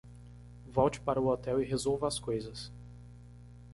Volte para o hotel e resolva as coisas